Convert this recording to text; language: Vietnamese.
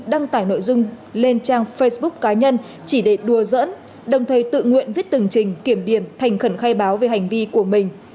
đăng tải nội dung lên trang facebook cá nhân chỉ để đùa dẫn đồng thời tự nguyện viết từng trình kiểm điểm thành khẩn khai báo về hành vi của mình